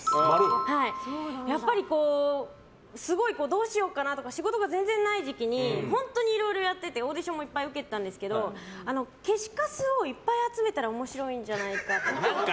すごいどうしようかなとか仕事が全然ない時期に本当にいろいろやっていてオーディションもいっぱい受けたんですけど消しカスをいっぱい集めたら面白いんじゃないかと思って。